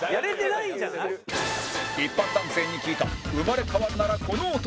一般男性に聞いた生まれ変わるならこの男